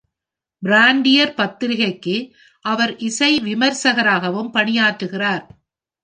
"Frontières" பத்திரிக்கைக்கு அவர் இசை விமர்சகராகவும் பணியாற்றுகிறார்.